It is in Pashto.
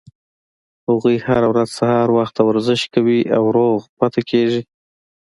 هغوي هره ورځ سهار وخته ورزش کوي او روغ پاتې کیږي